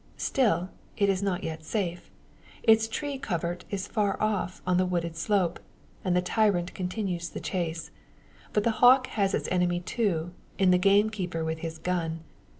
Still, it is not yet safe; its tree covert is far off on the wooded slope, and the tyrant continues the chase. But the hawk has its enemy too, in a gamekeeper with his gun.